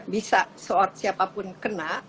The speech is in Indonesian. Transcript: bisa seuat siapapun kena